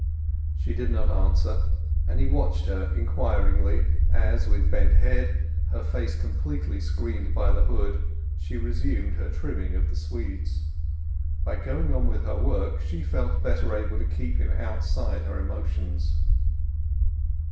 She did not answer, and he watched her inquiringly, as, with bent head, her face completely screened by the hood, she resumed her trimming of the swedes. By going on with her work she felt better able to keep him outside her emotions.